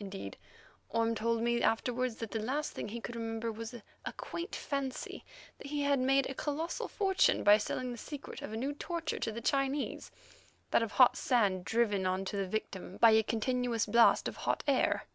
Indeed, Orme told me afterwards that the last thing he could remember was a quaint fancy that he had made a colossal fortune by selling the secret of a new torture to the Chinese—that of hot sand driven on to the victim by a continuous blast of hot air.